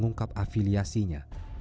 yang berada di dalam maupun luar negeri